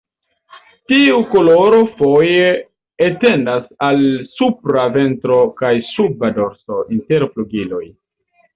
Tiu koloro foje etendas al supra ventro kaj suba dorso, inter flugiloj.